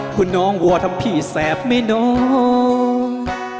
คุณน้องวัวทำพี่แสบไหมน้อง